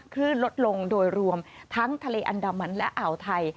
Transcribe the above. ขึ้นลดลงโดยรวมทั้งทะเลอันดามันและอ่าวไทย